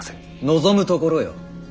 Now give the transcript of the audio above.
望むところよ。